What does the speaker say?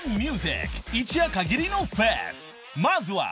［まずは］